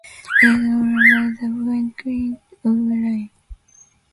It’s all about the quality of line.